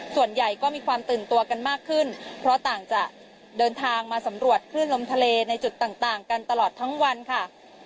ส่วนใหญ่ก็มีความตื่นตัวกันมากขึ้นเพราะต่างจะเดินทางมาสำรวจคลื่นลมทะเลในจุดต่างกันตลอดทั้งวันค่ะ